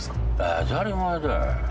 当たり前だ。